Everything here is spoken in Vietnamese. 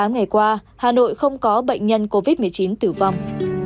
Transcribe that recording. hai mươi tám ngày qua hà nội không có bệnh nhân covid một mươi chín tử vong